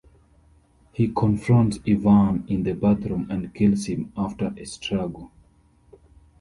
He confronts Ivan in the bathroom and kills him after a struggle.